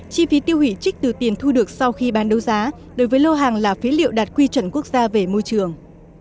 chi phí tiêu hủy trích từ tiền thu được sau khi bán đấu giá đối với lô hàng là phế liệu đạt quy chuẩn quốc gia về môi trường